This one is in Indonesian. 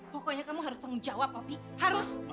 pokoknya kamu harus tanggung jawab hobi harus